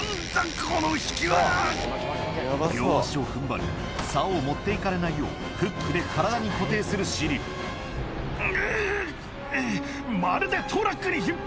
両足を踏ん張り竿を持って行かれないようフックで体に固定するシリルう！